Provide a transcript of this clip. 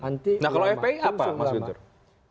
nah kalau fpi apa mas guntur